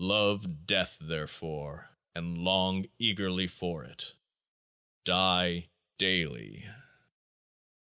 Love death therefore, and long eagerly for it. Die Daily.